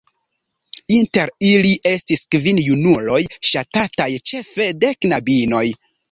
Inter ili estis kvin junuloj ŝatataj ĉefe de knabinoj.